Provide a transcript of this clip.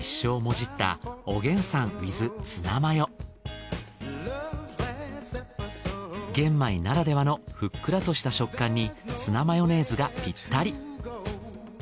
もじった玄米ならではのふっくらとした食感にツナマヨネーズがピッタリ。